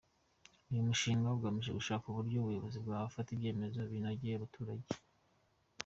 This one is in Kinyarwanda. Uyu mushinga ugamije gushaka uburyo ubuyobozi bwafata ibyemezo binogeye abaturage.